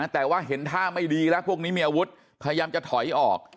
แต่ว่าเห็นท่าไม่ดีแล้วพวกนี้มีอาวุธพยายามจะถอยออก